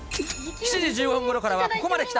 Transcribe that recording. ７時１５分ごろからはここまで来た！